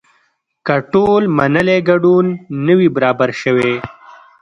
که ټول منلی ګډون نه وي برابر شوی.